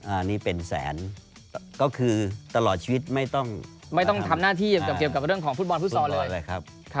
อันนี้เป็นแสนก็คือตลอดชีวิตไม่ต้องทำหน้าที่เกี่ยวกับเรื่องของฟุตบอลฟุตซอลเลย